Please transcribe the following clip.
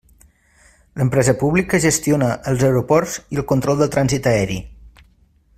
L'empresa pública gestiona els aeroports i el control del trànsit aeri.